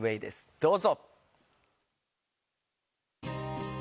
どうぞ。